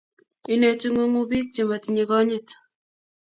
Ineti ng'wengu biik che matinye konyit